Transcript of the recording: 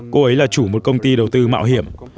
cô ấy là chủ một công ty đầu tư mạo hiểm